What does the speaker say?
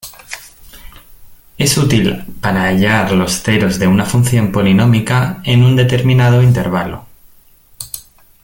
Es útil para hallar los ceros de una función polinómica en un determinado intervalo.